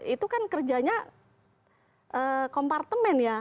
itu kan kerjanya kompartemen ya